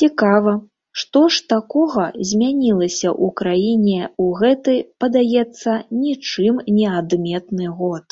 Цікава, што ж такога змянілася ў краіне ў гэты, падаецца, нічым не адметны год?